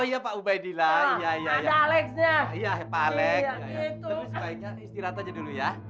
ya tapi diperiksa aja dulu ya